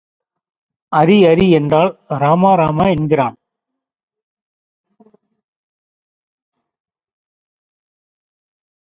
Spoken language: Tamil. அரி அரி என்றால் ராமா ராமா என்கிறான்.